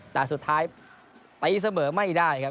แต่สุดท้ายตีเสมอไม่ได้ครับ